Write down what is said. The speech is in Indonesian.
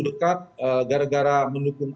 dekat gara gara menukung